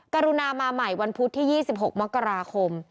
กรุณามาใหม่วันพุธที่๒๖มกราคม